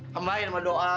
tambahin sama doa